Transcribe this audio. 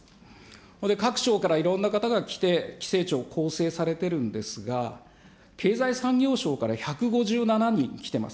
それで各省からいろんな方が来て、規制庁を構成されてるんですが、経済産業省から１５７人来てます。